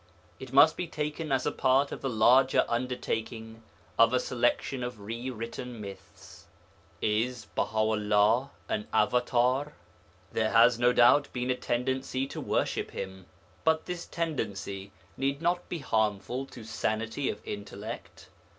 It must be taken as a part of the larger undertaking of a selection of rewritten myths. Is Baha 'ullah an avatâr? There has no doubt been a tendency to worship him. But this tendency need not be harmful to sanity of intellect.